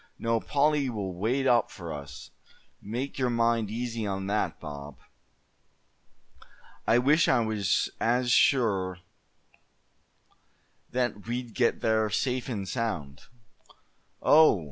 No, Polly will wait up for us, make your mind easy on that, Bob. I wish I was as sure that we'd get there, safe and sound." "Oh!